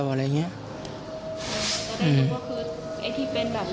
ลูกนั่นแหละที่เป็นคนผิดที่ทำแบบนี้